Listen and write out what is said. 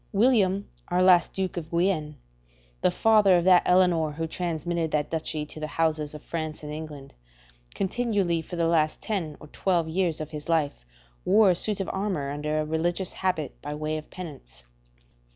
William, our last Duke of Guienne, the father of that Eleanor who transmitted that duchy to the houses of France and England, continually for the last ten or twelve years of his life wore a suit of armour under a religious habit by way of penance.